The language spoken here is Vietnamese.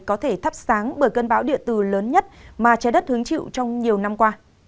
có thể thắp sáng bởi cơn bão địa tử lớn nhất mà trái đất hướng chịu trong nhiều năm qua